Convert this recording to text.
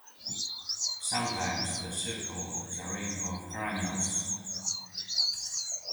Sometimes the circle is a ring of granules.